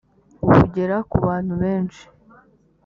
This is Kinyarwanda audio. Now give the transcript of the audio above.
bugera ku bantu benshi